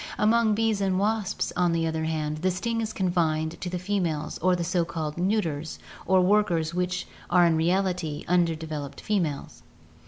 Among bees and wasps, on the other hand, the sting is confined to the females or to the so called neuters or workers which are in reality undeveloped females.